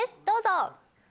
どうぞ！